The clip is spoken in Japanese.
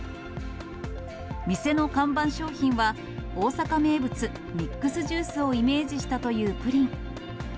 店の看板商品は、大阪名物ミックスジュースをイメージしたというプリン。